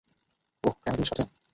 ওহ, ফ্যামিলির সাথে?